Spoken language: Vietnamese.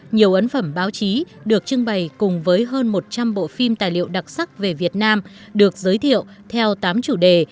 nhiều ấn phẩm báo chí được trưng bày cùng với hơn một trăm linh bộ phim tài liệu đặc sắc về việt nam được giới thiệu theo tám chủ đề